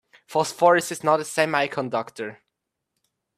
Phosphorus is not a semiconductor.